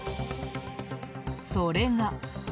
それが。